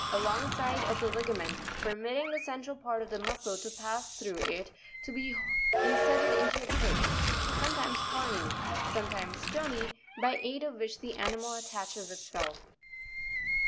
98) alongside of the ligament, permitting re the central part of the muscle to pass through it to be inserted into a plate, sometimes horny, sometimes stony, by aid of which the animal attaches itself' Fig.